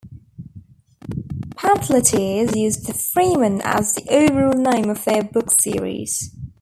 Pamphleteers used "The Freeman" as the overall name of their book series.